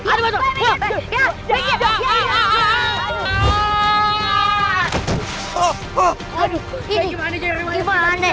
aduh gimana gimana